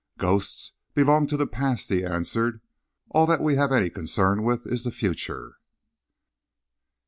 "Ghosts belong to the past," he answered. "All that we have any concern with is the future."